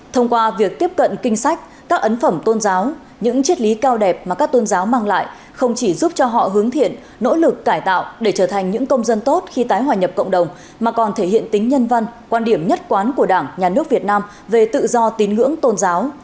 thông qua việc tiếp cận kinh sách các ấn phẩm tôn giáo những triết lý cao đẹp mà các tôn giáo mang lại không chỉ giúp cho họ hướng thiện nỗ lực cải tạo để trở thành những công dân tốt khi tái hòa nhập cộng đồng mà còn thể hiện tính nhân văn quan điểm nhất quán của đảng nhà nước việt nam về tự do tín ngưỡng tôn giáo